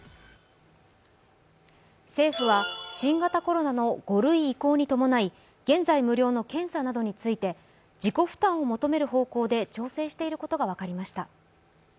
政府は新型コロナの５類移行に伴い、現在、無料の検査などについて自己負担を求める方向で調整していることが分かりました。